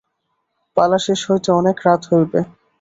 পালা শেষ হইতে অনেক রাত হইবে।